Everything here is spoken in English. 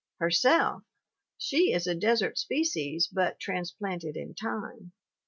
Herself, she is a desert species but transplanted in time!